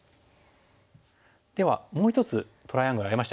ではもう１つトライアングルありましたよね。